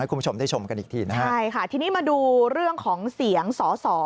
คุณผู้ชมได้ชมกันอีกทีนะฮะใช่ค่ะทีนี้มาดูเรื่องของเสียงสอสอ